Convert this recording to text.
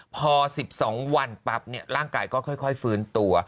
พอ๑๒วันปั๊บร่างกายก็ค่อยฟื้นตัว